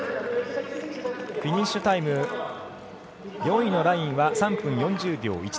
フィニッシュタイム４位のラインは３分４０秒１７。